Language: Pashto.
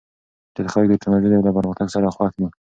ډېر خلک د ټکنالوژۍ له پرمختګ سره خوښ دي.